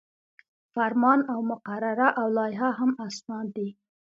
فرمان او مقرره او لایحه هم اسناد دي.